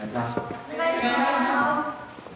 お願いします。